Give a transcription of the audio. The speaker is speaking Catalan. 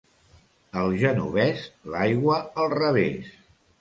Al Genovés, l'aigua al revés.